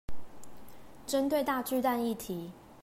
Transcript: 針對大巨蛋議題